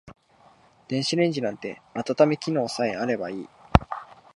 電子レンジなんて温め機能さえあればいい